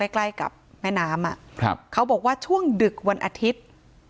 ใกล้กับแม่น้ำเขาบอกว่าช่วงดึกวันอาทิตย์